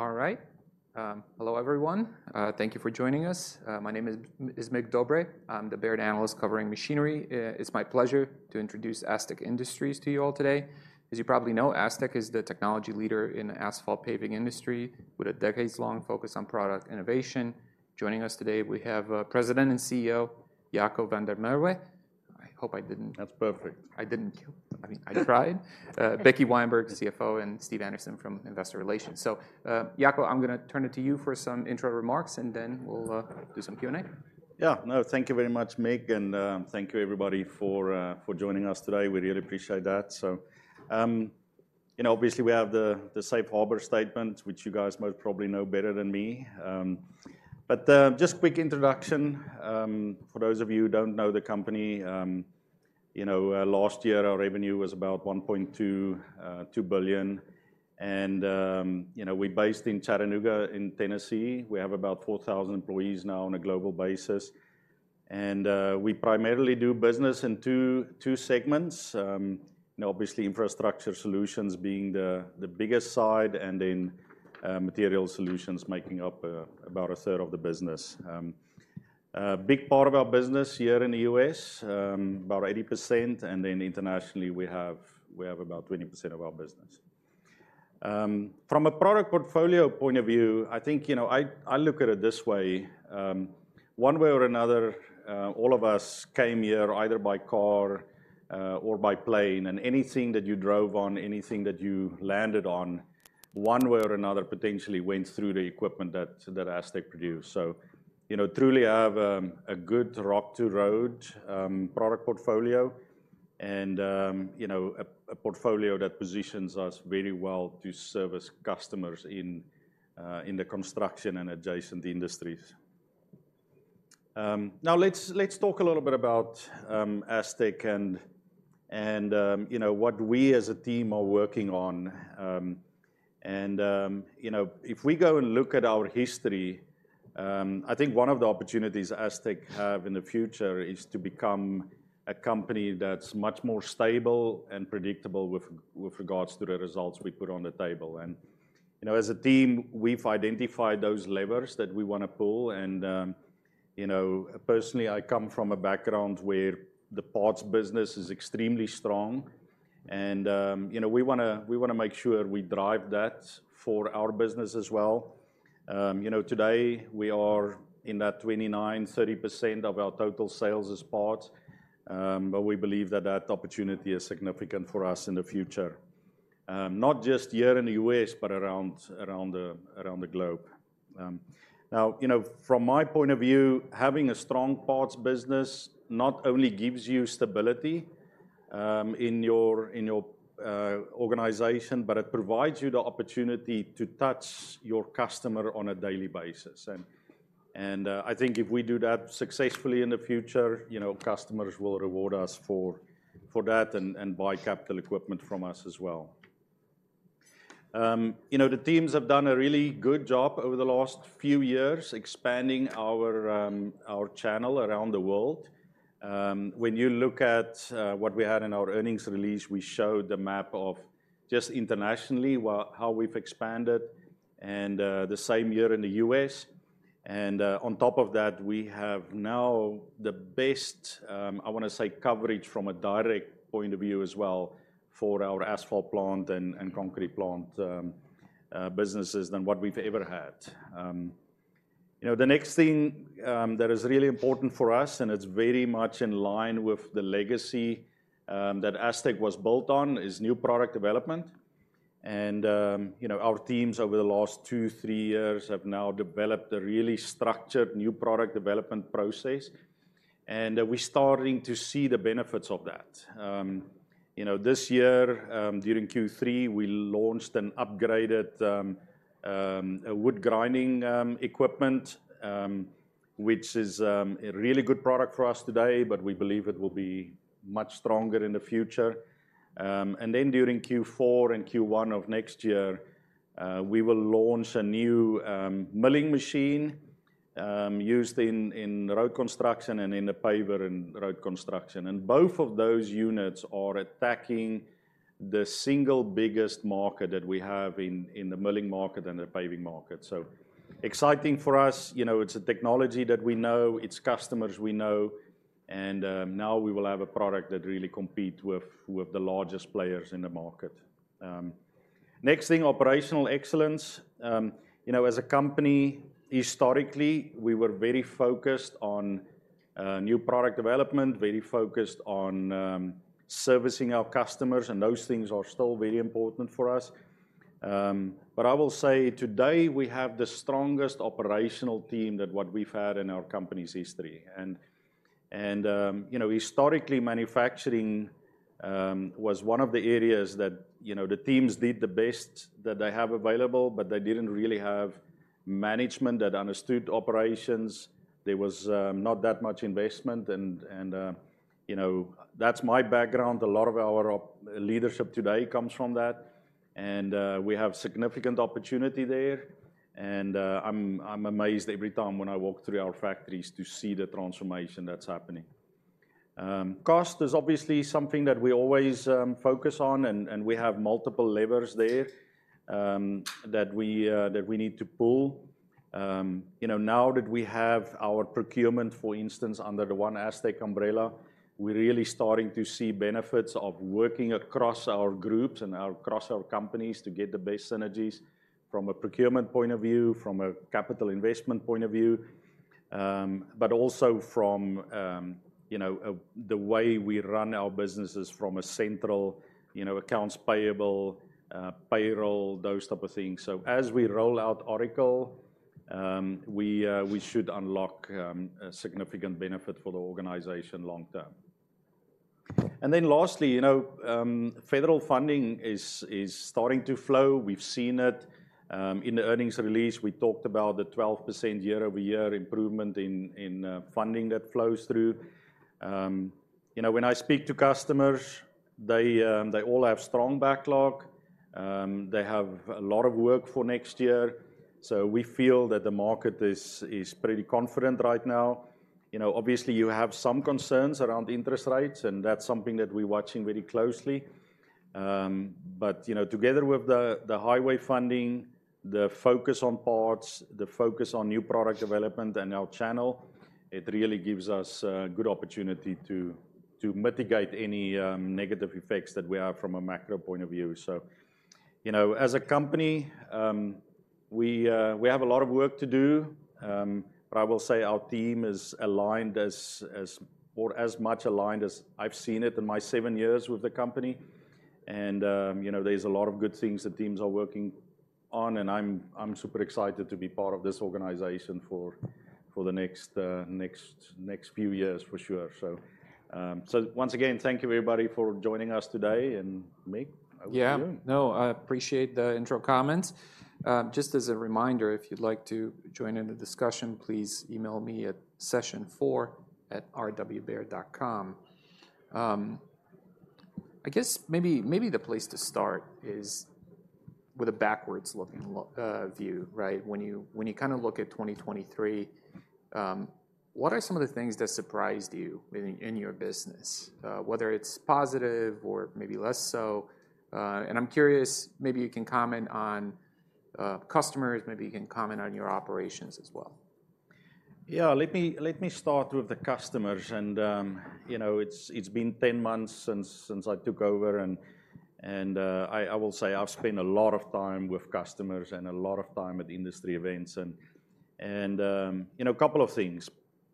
All right. Hello, everyone. Thank you for joining us. My name is Mig Dobre. I'm the Baird analyst covering machinery. It's my pleasure to introduce Astec Industries to you all today. As you probably know, Astec is the technology leader in the asphalt paving industry, with a decades-long focus on product innovation. Joining us today, we have President and CEO Jaco van der Merwe. I hope I didn't- That's perfect. I didn't kill. I mean, I tried. Rebecca Weyenberg, the CFO, and Steve Anderson from Investor Relations. So, Jaco, I'm gonna turn it to you for some intro remarks, and then we'll do some Q&A. Yeah. No, thank you very much, Mig, and, thank you everybody for for joining us today. We really appreciate that. So, you know, obviously, we have the safe harbor statement, which you guys most probably know better than me. But, just quick introduction, for those of you who don't know the company, you know, last year, our revenue was about $1.22 billion. And, you know, we're based in Chattanooga, Tennessee. We have about 4,000 employees now on a global basis. And, we primarily do business in two segments. And obviously, Infrastructure Solutions being the biggest side, and then, Materials Solutions making up, about a third of the business. A big part of our business here in the U.S., about 80%, and then internationally, we have about 20% of our business. From a product portfolio point of view, I think, you know, I look at it this way: one way or another, all of us came here either by car or by plane, and anything that you drove on, anything that you landed on, one way or another, potentially went through the equipment that Astec produce. So you know, truly, I have a good rock-to-road product portfolio, and, you know, a portfolio that positions us very well to service customers in the construction and adjacent industries. Now let's talk a little bit about Astec and, you know, what we as a team are working on. You know, if we go and look at our history, I think one of the opportunities Astec have in the future is to become a company that's much more stable and predictable with regards to the results we put on the table. You know, as a team, we've identified those levers that we wanna pull and, you know, personally, I come from a background where the parts business is extremely strong and, you know, we wanna make sure we drive that for our business as well. You know, today, we are in that 29%-30% of our total sales is parts, but we believe that that opportunity is significant for us in the future, not just here in the U.S., but around the globe. Now, you know, from my point of view, having a strong parts business not only gives you stability in your organization, but it provides you the opportunity to touch your customer on a daily basis. And I think if we do that successfully in the future, you know, customers will reward us for that and buy capital equipment from us as well. The teams have done a really good job over the last few years, expanding our channel around the world. When you look at what we had in our earnings release, we showed the map of just internationally how we've expanded and the same year in the US. And on top of that, we have now the best, I wanna say, coverage from a direct point of view as well for our asphalt plant and concrete plant businesses than what we've ever had. You know, the next thing that is really important for us, and it's very much in line with the legacy that Astec was built on, is new product development. And you know, our teams over the last three to two years have now developed a really structured new product development process, and we're starting to see the benefits of that. You know, this year during Q3, we launched an upgraded wood grinding equipment, which is a really good product for us today, but we believe it will be much stronger in the future. Then during Q4 and Q1 of next year, we will launch a new milling machine used in road construction and in the paving and road construction. Both of those units are attacking the single biggest market that we have in the milling market and the paving market. So exciting for us. You know, it's a technology that we know, it's customers we know, and now we will have a product that really compete with the largest players in the market. Next thing, operational excellence. You know, as a company, historically, we were very focused on new product development, very focused on servicing our customers, and those things are still very important for us. But I will say today, we have the strongest operational team than what we've had in our company's history. You know, historically, manufacturing was one of the areas that, you know, the teams did the best that they have available, but they didn't really have management that understood operations. There was not that much investment and, you know, that's my background. A lot of our leadership today comes from that, and we have significant opportunity there, and I'm amazed every time when I walk through our factories to see the transformation that's happening. Cost is obviously something that we always focus on, and we have multiple levers there that we need to pull. You know, now that we have our procurement, for instance, under the one Astec umbrella, we're really starting to see benefits of working across our groups and across our companies to get the best synergies from a procurement point of view, from a capital investment point of view. But also from, you know, the way we run our businesses from a central, you know, accounts payable, payroll, those type of things. So as we roll out Oracle, we should unlock a significant benefit for the organization long term. And then lastly, you know, federal funding is starting to flow. We've seen it. In the earnings release, we talked about the 12% year-over-year improvement in funding that flows through. You know, when I speak to customers, they all have strong backlog. They have a lot of work for next year, so we feel that the market is pretty confident right now. You know, obviously, you have some concerns around interest rates, and that's something that we're watching very closely. But, you know, together with the highway funding, the focus on parts, the focus on new product development and our channel, it really gives us a good opportunity to mitigate any negative effects that we have from a macro point of view. So, you know, as a company, we have a lot of work to do. But I will say our team is aligned as or as much aligned as I've seen it in my seven years with the company. And, you know, there's a lot of good things the teams are working on, and I'm super excited to be part of this organization for the next few years, for sure. So, so once again, thank you, everybody, for joining us today, and Mick, over to you. Yeah. No, I appreciate the intro comments. Just as a reminder, if you'd like to join in the discussion, please email me at sessionfour@rwbaird.com. I guess maybe, maybe the place to start is with a backwards-looking view, right? When you, when you kinda look at 2023, what are some of the things that surprised you in, in your business? Whether it's positive or maybe less so... And I'm curious, maybe you can comment on customers, maybe you can comment on your operations as well. Yeah, let me start with the customers, and you know, it's been 10 months since I took over, and I will say I've spent a lot of time with customers and a lot of time at industry events, and you know, a couple of things.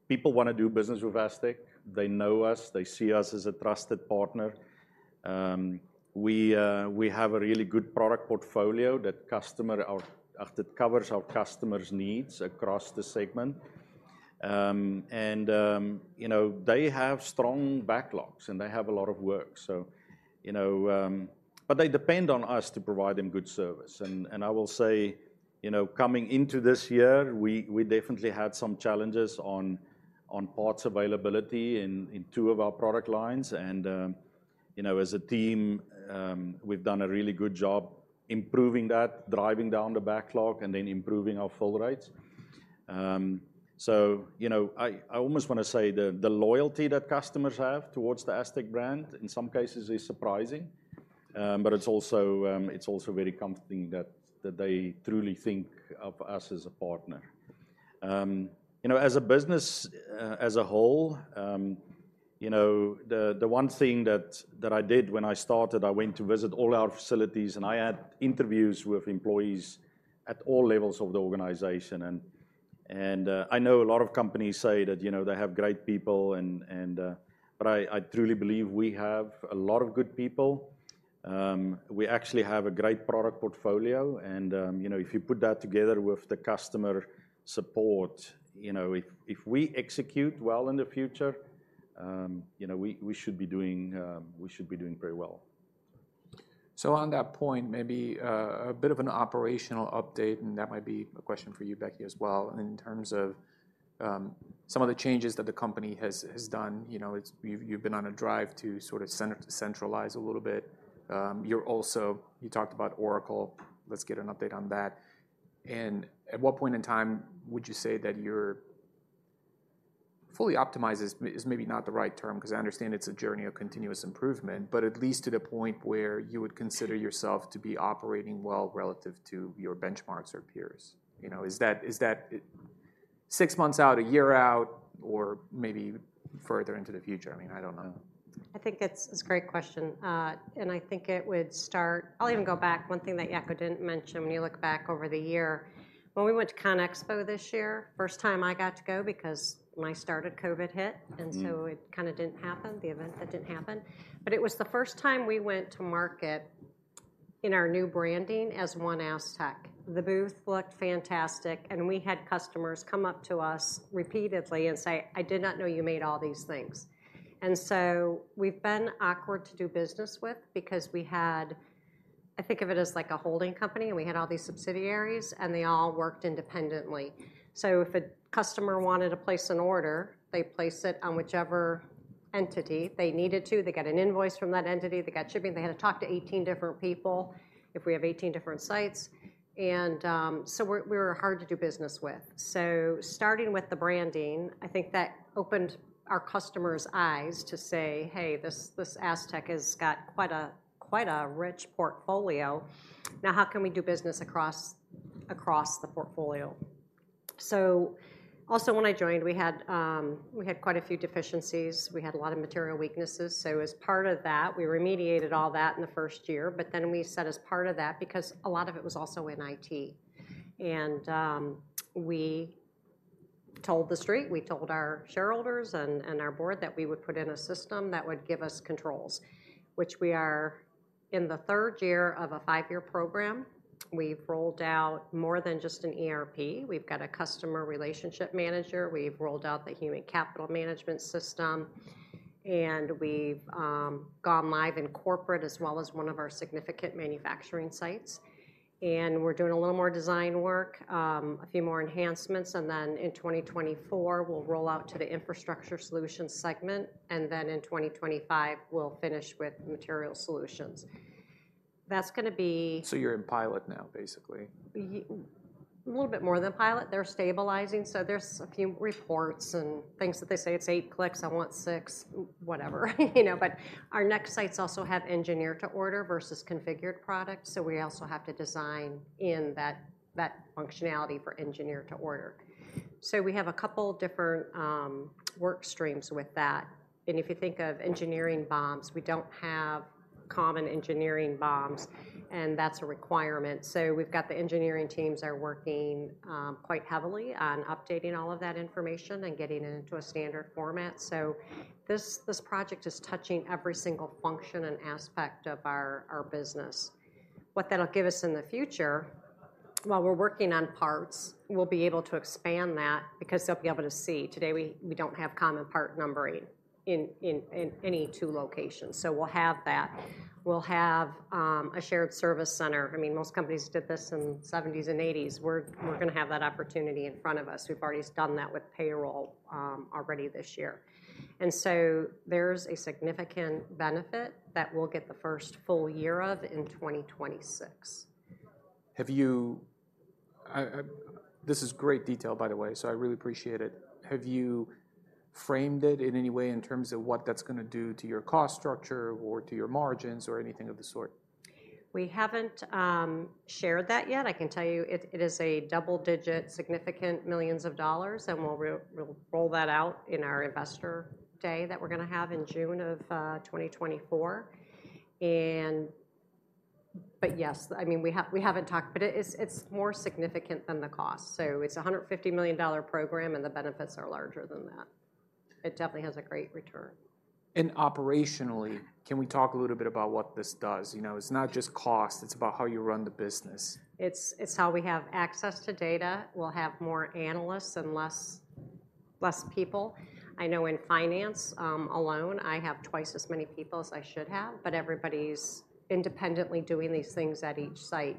People wanna do business with Astec. They know us. They see us as a trusted partner. We have a really good product portfolio that customer our... that covers our customers' needs across the segment. And you know, they have strong backlogs, and they have a lot of work. So you know, but they depend on us to provide them good service. I will say, you know, coming into this year, we definitely had some challenges on parts availability in two of our product lines. And, you know, as a team, we've done a really good job improving that, driving down the backlog, and then improving our fill rates. So, you know, I almost wanna say the loyalty that customers have towards the Astec brand, in some cases, is surprising. But it's also very comforting that they truly think of us as a partner. You know, as a business, as a whole, you know, the one thing that I did when I started, I went to visit all our facilities, and I had interviews with employees at all levels of the organization. And I know a lot of companies say that, you know, they have great people, but I truly believe we have a lot of good people. We actually have a great product portfolio, and you know, if you put that together with the customer support, you know, if we execute well in the future, you know, we should be doing very well. So on that point, maybe a bit of an operational update, and that might be a question for you, Becky, as well. In terms of some of the changes that the company has done. You know, it's you've been on a drive to sort of centralize a little bit. You're also. You talked about Oracle. Let's get an update on that. And at what point in time would you say that you're fully optimized is maybe not the right term, 'cause I understand it's a journey of continuous improvement, but at least to the point where you would consider yourself to be operating well relative to your benchmarks or peers? You know, is that six months out, a year out, or maybe further into the future? I mean, I don't know. I think it's a great question. And I think it would start, I'll even go back. One thing that Jaco didn't mention, when you look back over the year, when we went to CONEXPO this year, first time I got to go because when I started, COVID hit- Mm-hmm. and so it kinda didn't happen, the event. It didn't happen. But it was the first time we went to market in our new branding as one Astec. The booth looked fantastic, and we had customers come up to us repeatedly and say, "I did not know you made all these things." And so we've been awkward to do business with because we had... I think of it as like a holding company, and we had all these subsidiaries, and they all worked independently. So if a customer wanted to place an order, they place it on whichever entity they needed to. They get an invoice from that entity, they got shipping, they had to talk to eighteen different people if we have eighteen different sites. And so we were hard to do business with. So starting with the branding, I think that opened our customers' eyes to say, "Hey, this, this Astec has got quite a, quite a rich portfolio. Now, how can we do business across, across the portfolio?" So also, when I joined, we had, we had quite a few deficiencies. We had a lot of material weaknesses. So as part of that, we remediated all that in the first year. But then we said as part of that, because a lot of it was also in IT, and, we told the street, we told our shareholders and, and our board that we would put in a system that would give us controls, which we are in the third year of a five-year program. We've rolled out more than just an ERP. We've got a customer relationship manager, we've rolled out the human capital management system, and we've gone live in corporate as well as one of our significant manufacturing sites. We're doing a little more design work, a few more enhancements, and then in 2024, we'll roll out to the infrastructure solution segment, and then in 2025, we'll finish with material solutions. That's gonna be- You're in pilot now, basically? Yeah, a little bit more than pilot. They're stabilizing, so there's a few reports and things that they say, "It's eight clicks, I want six." Whatever. You know, but our next sites also have engineer to order versus configured products, so we also have to design in that, that functionality for engineer to order. So we have a couple different work streams with that. And if you think of engineering BOMs, we don't have common engineering BOMs, and that's a requirement. So we've got the engineering teams are working quite heavily on updating all of that information and getting it into a standard format. So this, this project is touching every single function and aspect of our, our business. What that'll give us in the future, while we're working on parts, we'll be able to expand that because they'll be able to see. Today, we don't have common part numbering in any two locations, so we'll have that. We'll have a shared service center. I mean, most companies did this in the 1970s and 1980s. We're gonna have that opportunity in front of us. We've already done that with payroll already this year. And so there's a significant benefit that we'll get the first full year of in 2026. This is great detail, by the way, so I really appreciate it. Have you framed it in any way in terms of what that's gonna do to your cost structure or to your margins or anything of the sort? We haven't shared that yet. I can tell you it, it is a double-digit significant millions of dollars, and we'll roll, we'll roll that out in our investor day that we're gonna have in June of 2024. But yes, I mean, we haven't talked, but it, it's, it's more significant than the cost. So it's a $150 million program, and the benefits are larger than that. It definitely has a great return. Operationally, can we talk a little bit about what this does? You know, it's not just cost, it's about how you run the business. It's how we have access to data. We'll have more analysts and less people. I know in finance, alone, I have twice as many people as I should have, but everybody's independently doing these things at each site.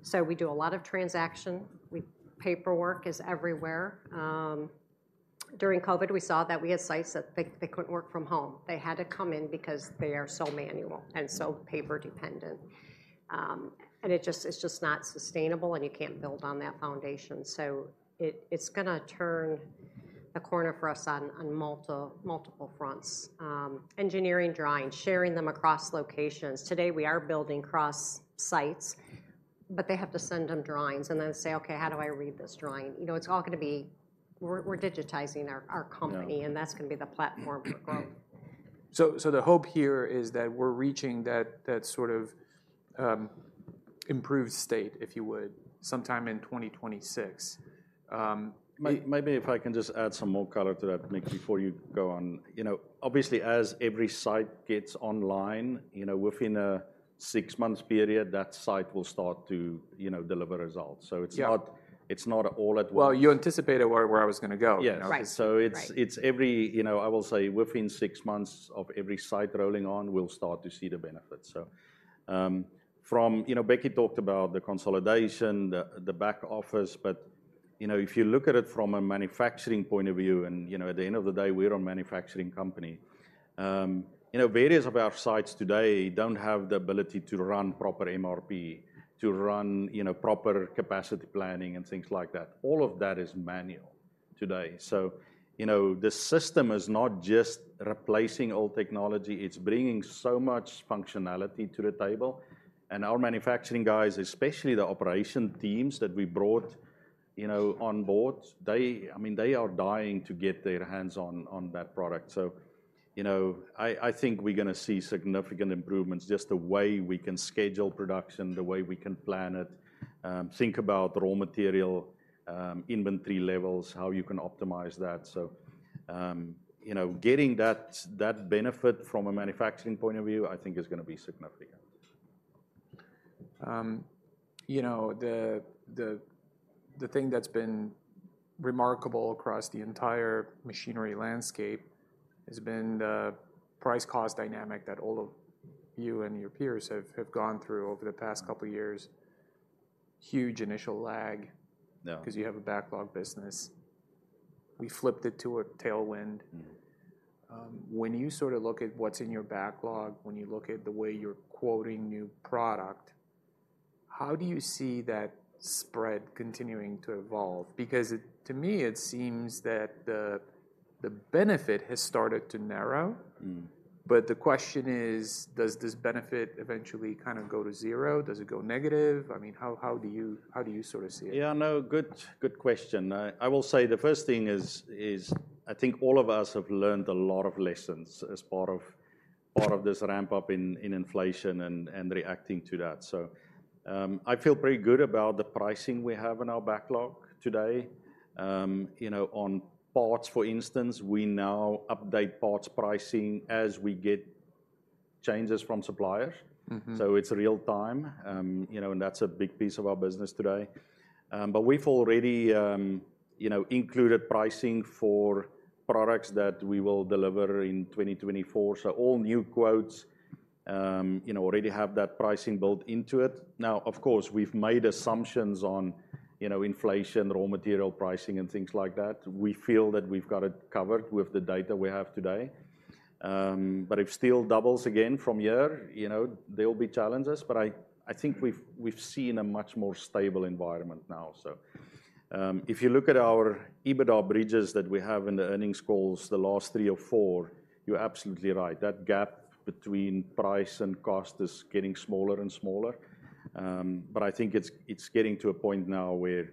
So we do a lot of transaction. Paperwork is everywhere. During COVID, we saw that we had sites that they couldn't work from home. They had to come in because they are so manual and so paper-dependent. And it just, it's just not sustainable, and you can't build on that foundation. So it's gonna turn the corner for us on multiple fronts. Engineering drawings, sharing them across locations. Today, we are building cross-sites, but they have to send them drawings and then say, "Okay, how do I read this drawing?" You know, it's all gonna be... We're digitizing our company- Yeah. and that's gonna be the platform for growth. So, the hope here is that we're reaching that sort of improved state, if you would, sometime in 2026. Maybe if I can just add some more color to that, Mick, before you go on. You know, obviously, as every site gets online, you know, within a six months period, that site will start to, you know, deliver results. Yeah. It's not, it's not all at once. Well, you anticipated where I was gonna go. Yes. Right. So it's- Right... it's every, you know, I will say within six months of every site rolling on, we'll start to see the benefits. So, from, you know, Becky talked about the consolidation, the back office, but, you know, if you look at it from a manufacturing point of view, and, you know, at the end of the day, we're a manufacturing company. You know, various of our sites today don't have the ability to run proper MRP, to run, you know, proper capacity planning and things like that. All of that is manual today. So, you know, the system is not just replacing old technology, it's bringing so much functionality to the table. And our manufacturing guys, especially the operation teams that we brought, you know, on board, they, I mean, they are dying to get their hands on that product. So, you know, I think we're gonna see significant improvements, just the way we can schedule production, the way we can plan it, think about raw material, inventory levels, how you can optimize that. So, you know, getting that benefit from a manufacturing point of view, I think is gonna be significant. You know, the thing that's been remarkable across the entire machinery landscape has been the price-cost dynamic that all of you and your peers have gone through over the past couple of years... huge initial lag- No. 'cause you have a backlog business. We flipped it to a tailwind. Mm-hmm. When you sort of look at what's in your backlog, when you look at the way you're quoting new product, how do you see that spread continuing to evolve? Because it, to me, it seems that the, the benefit has started to narrow. Mm. But the question is, does this benefit eventually kind of go to zero? Does it go negative? I mean, how do you sort of see it? Yeah, no, good, good question. I will say the first thing is I think all of us have learned a lot of lessons as part of this ramp-up in inflation and reacting to that. So, I feel pretty good about the pricing we have in our backlog today. You know, on parts, for instance, we now update parts pricing as we get changes from suppliers. Mm-hmm. It's real time. You know, and that's a big piece of our business today. But we've already, you know, included pricing for products that we will deliver in 2024. All new quotes, you know, already have that pricing built into it. Now, of course, we've made assumptions on, you know, inflation, raw material pricing, and things like that. We feel that we've got it covered with the data we have today. But if steel doubles again from here, you know, there will be challenges, but I think we've seen a much more stable environment now. If you look at our EBITDA bridges that we have in the earnings calls, the last three or four, you're absolutely right, that gap between price and cost is getting smaller and smaller. But I think it's getting to a point now where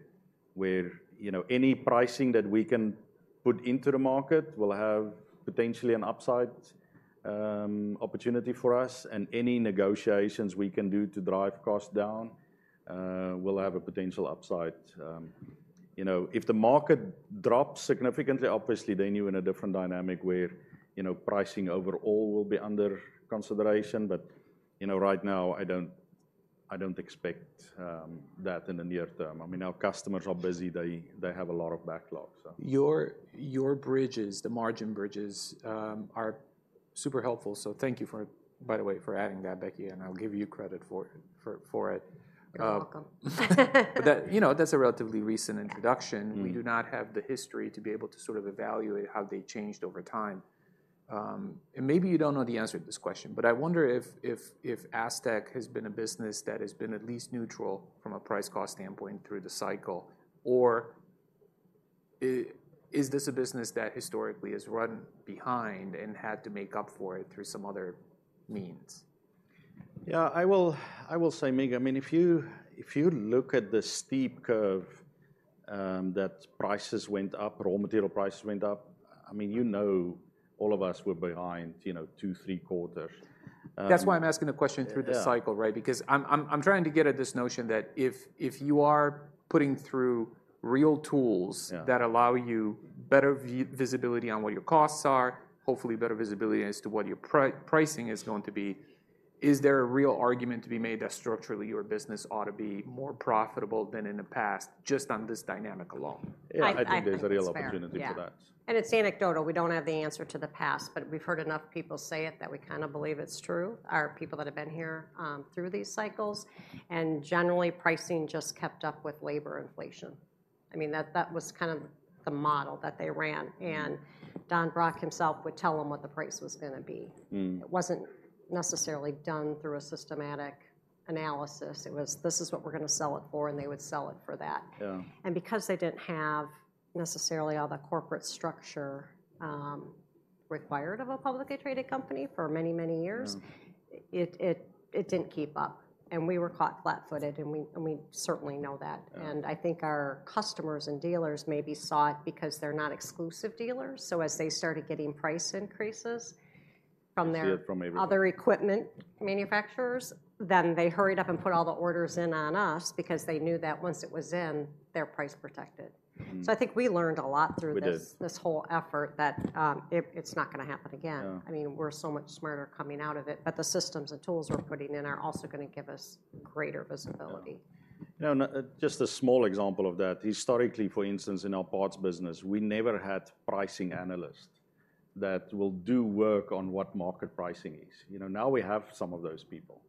you know, any pricing that we can put into the market will have potentially an upside opportunity for us, and any negotiations we can do to drive cost down will have a potential upside. You know, if the market drops significantly, obviously, then you're in a different dynamic where you know, pricing overall will be under consideration. But you know, right now, I don't expect that in the near term. I mean, our customers are busy. They have a lot of backlog, so. Your bridges, the margin bridges, are super helpful. So thank you for, by the way, for adding that, Becky, and I'll give you credit for it. You're welcome. But that, you know, that's a relatively recent introduction. Mm. We do not have the history to be able to sort of evaluate how they changed over time. And maybe you don't know the answer to this question, but I wonder if Astec has been a business that has been at least neutral from a price cost standpoint through the cycle, or is this a business that historically has run behind and had to make up for it through some other means? Yeah, I will, I will say, Mig, I mean, if you, if you look at the steep curve that prices went up, raw material prices went up, I mean, you know, all of us were behind, you know, two, three quarters. That's why I'm asking the question through the cycle- Yeah... right? Because I'm trying to get at this notion that if you are putting through real tools- Yeah... that allow you better visibility on what your costs are, hopefully, better visibility as to what your pricing is going to be, is there a real argument to be made that structurally your business ought to be more profitable than in the past, just on this dynamic alone? Yeah, I think there's- I think it's fair.... a real opportunity for that. Yeah. It's anecdotal. We don't have the answer to the past, but we've heard enough people say it that we kinda believe it's true, our people that have been here through these cycles. Generally, pricing just kept up with labor inflation. I mean, that was kind of the model that they ran, and Don Brock himself would tell them what the price was gonna be. Mm. It wasn't necessarily done through a systematic analysis. It was, "This is what we're gonna sell it for," and they would sell it for that. Yeah. Because they didn't have necessarily all the corporate structure required of a publicly traded company for many, many years- Mm... it didn't keep up, and we were caught flat-footed, and we certainly know that. Yeah. I think our customers and dealers maybe saw it because they're not exclusive dealers, so as they started getting price increases from their- You see it from every-... other equipment manufacturers, then they hurried up and put all the orders in on us because they knew that once it was in, they're price protected. Mm-hmm. I think we learned a lot through this- We did... this whole effort, that it's not gonna happen again. Yeah. I mean, we're so much smarter coming out of it, but the systems and tools we're putting in are also gonna give us greater visibility. Yeah. You know, just a small example of that, historically, for instance, in our parts business, we never had pricing analysts that will do work on what market pricing is. You know, now we have some of those people.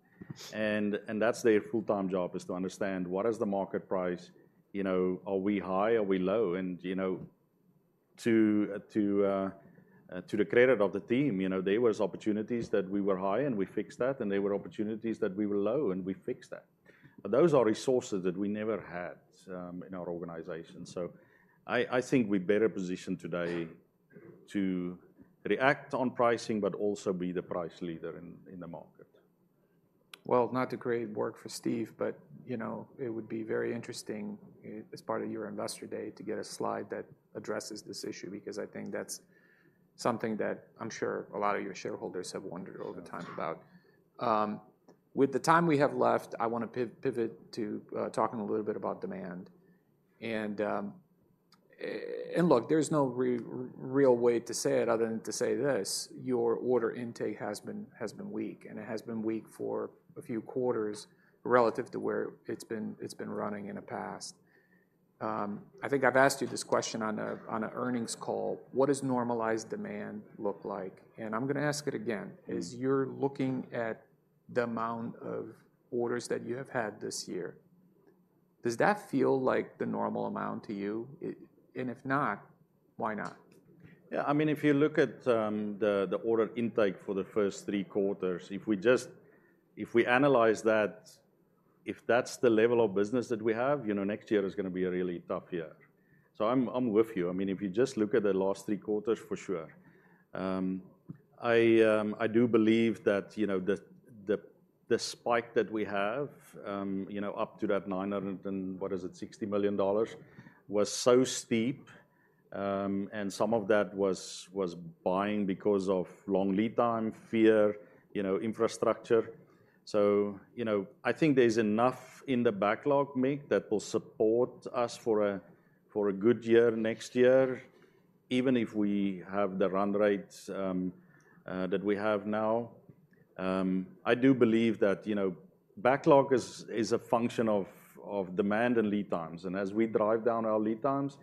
And that's their full-time job, is to understand, what is the market price? You know, are we high? Are we low? And, you know, to the credit of the team, you know, there was opportunities that we were high, and we fixed that, and there were opportunities that we were low, and we fixed that. But those are resources that we never had, in our organization. So I think we're better positioned today to react on pricing but also be the price leader in the market. Well, not to create work for Steve, but, you know, it would be very interesting as part of your investor day, to get a slide that addresses this issue because I think that's something that I'm sure a lot of your shareholders have wondered over time about. With the time we have left, I wanna pivot to talking a little bit about demand. And look, there's no real way to say it other than to say this: Your order intake has been, has been weak, and it has been weak for a few quarters relative to where it's been, it's been running in the past. I think I've asked you this question on an earnings call. What does normalized demand look like? And I'm gonna ask it again. As you're looking at the amount of orders that you have had this year, does that feel like the normal amount to you? And if not, why not? Yeah, I mean, if you look at the order intake for the first three quarters, if we just- if we analyze that, if that's the level of business that we have, you know, next year is gonna be a really tough year. So I'm with you. I mean, if you just look at the last three quarters, for sure. I do believe that, you know, the spike that we have, you know, up to that nine hundred and, what is it, sixty million dollars, was so steep, and some of that was buying because of long lead time, fear, you know, infrastructure. So, you know, I think there's enough in the backlog, Mick, that will support us for a good year next year, even if we have the run rates that we have now. I do believe that, you know, backlog is a function of demand and lead times, and as we drive down our lead times,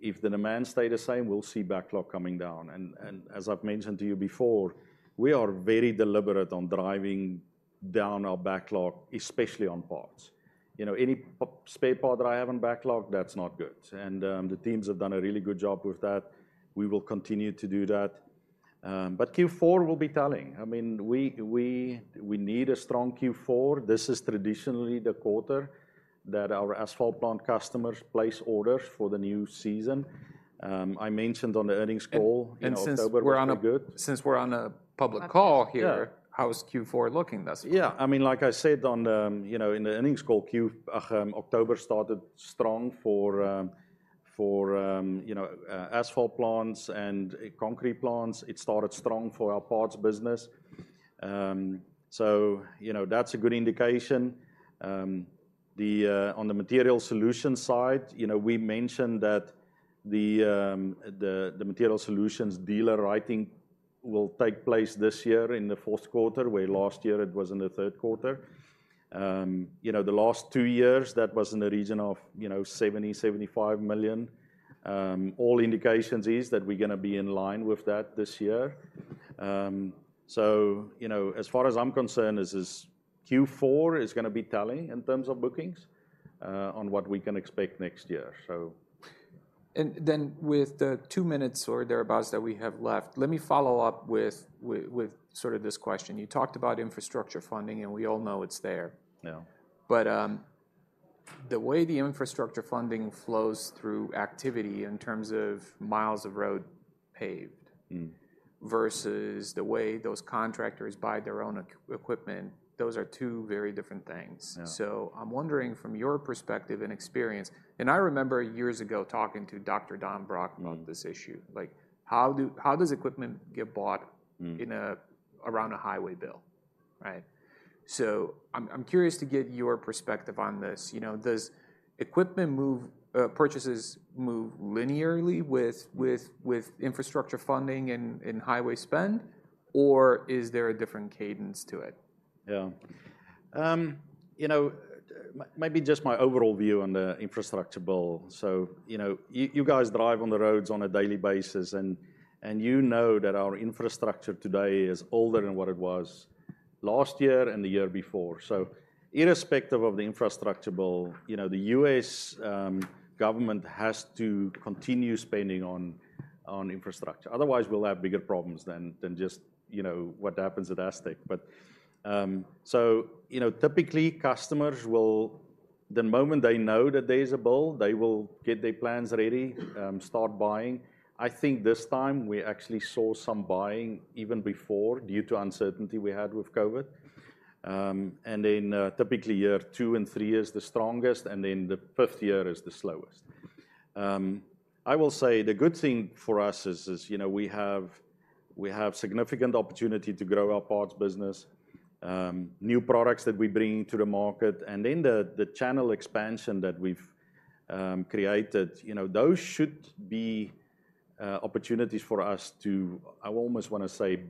if the demand stay the same, we'll see backlog coming down. And as I've mentioned to you before, we are very deliberate on driving down our backlog, especially on parts. You know, any spare part that I have on backlog, that's not good. And the teams have done a really good job with that. We will continue to do that. But Q4 will be telling. I mean, we need a strong Q4. This is traditionally the quarter that our asphalt plant customers place orders for the new season. I mentioned on the earnings call, you know, October was pretty good. Since we're on a public call here- Yeah. How is Q4 looking this year? Yeah. I mean, like I said, on the, you know, in the earnings call. October started strong for, you know, asphalt plants and concrete plants. It started strong for our parts business. So, you know, that's a good indication. On the material solution side, you know, we mentioned that the material solutions dealer writing will take place this year in the fourth quarter, where last year it was in the third quarter. You know, the last two years, that was in the region of, you know, $70-$75 million. All indications is that we're gonna be in line with that this year. So, you know, as far as I'm concerned, is this Q4 is gonna be telling in terms of bookings, on what we can expect next year, so. Then, with the two minutes or thereabouts that we have left, let me follow up with sort of this question. You talked about infrastructure funding, and we all know it's there. Yeah. But, the way the infrastructure funding flows through activity in terms of miles of road paved- Mm. -versus the way those contractors buy their own equipment, those are two very different things. Yeah. I'm wondering, from your perspective and experience. I remember years ago talking to Dr. Don Brock on this issue. Mm. Like, how does equipment get bought- Mm... in a, around a highway bill, right? So I'm, I'm curious to get your perspective on this. You know, does equipment move, purchases move linearly with, with, with infrastructure funding and, and highway spend, or is there a different cadence to it? Yeah. You know, maybe just my overall view on the infrastructure bill. So, you know, you guys drive on the roads on a daily basis, and you know that our infrastructure today is older than what it was last year and the year before. So irrespective of the infrastructure bill, you know, the U.S. government has to continue spending on infrastructure. Otherwise, we'll have bigger problems than just, you know, what happens at Astec. But, so, you know, typically, customers will... The moment they know that there's a bill, they will get their plans ready, start buying. I think this time we actually saw some buying even before, due to uncertainty we had with COVID. And then, typically, year two and three is the strongest, and then the fifth year is the slowest. I will say the good thing for us is, you know, we have significant opportunity to grow our parts business, new products that we bring to the market, and then the channel expansion that we've created. You know, those should be opportunities for us to, I almost wanna say,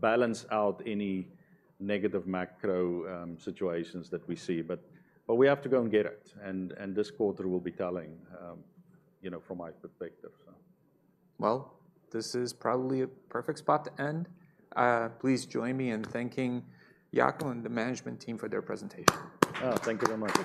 balance out any negative macro situations that we see. But we have to go and get it, and this quarter will be telling, you know, from my perspective, so. Well, this is probably a perfect spot to end. Please join me in thanking Jaco and the management team for their presentation. Oh, thank you very much.